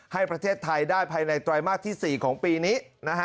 ให้ประเทศไทยได้ภายในไตรมาสที่๔ของปีนี้